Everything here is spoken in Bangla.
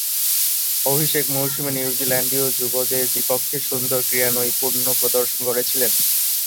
অভিষেক মৌসুমে নিউজিল্যান্ডীয় যুবদের বিপক্ষে সুন্দর ক্রীড়ানৈপুণ্য প্রদর্শন করেছিলেন।